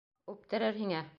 Үптерер һиңә.